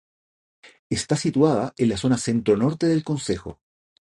Está situada en la zona centro-norte del concejo.